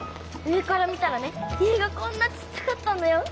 上から見たらね家がこんなちっちゃかったんだよ。